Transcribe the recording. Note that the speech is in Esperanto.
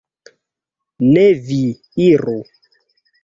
Ne vi iru!